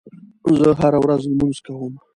زه هره ورځ لمونځ کوم.